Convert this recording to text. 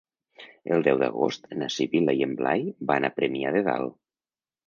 El deu d'agost na Sibil·la i en Blai van a Premià de Dalt.